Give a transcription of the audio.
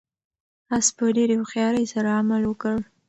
آس په ډېرې هوښیارۍ سره عمل وکړ.